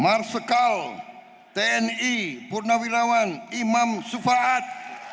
marsekal tni purnawilawan imam sufahat